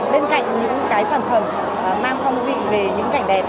bên cạnh những cái sản phẩm mang phong vị về những cảnh đẹp